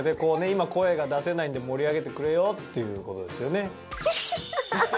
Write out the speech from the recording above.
今声が出せないんで盛り上げてくれよっていう事ですよね。